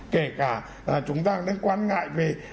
kể cả chúng ta đang quan ngại về